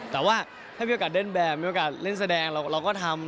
แต่ว่าถ้ามีโอกาสเล่นแบบมีโอกาสเล่นแสดงเราก็ทำ